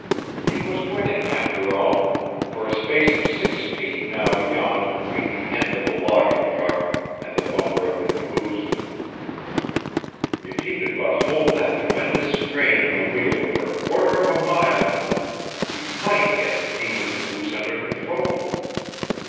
He was winning, after all, for a space of six feet now yawned between the end of the logging truck and the bumper of the caboose. If he could but hold that tremendous strain on the wheel for a quarter of a mile, he might get the demon caboose under control!